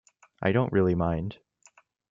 I don't really mind.